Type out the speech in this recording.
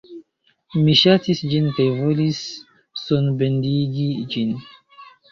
Mi ŝatis ĝin kaj volis sonbendigi ĝin.